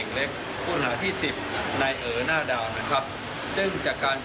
ในการกระพิตมาแล้วถึง๙คนจาก๑๐คน